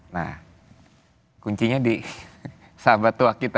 nah kuncinya di sahabat tua kita